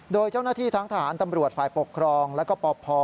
โดยเจ้าหน้าที่ทั้งทหารตำรวจฝ่ายปกครองแล้วก็ปพ